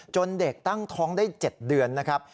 เด็กตั้งท้องได้๗เดือนนะครับ